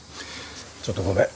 ちょっとごめん。